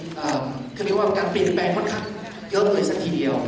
เขาเรียกว่าการเปลี่ยนแปลงค่อนข้างเยอะเลยสักทีเดียว